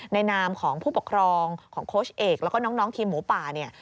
นามของผู้ปกครองของโค้ชเอกแล้วก็น้องทีมหมูป่าเนี่ย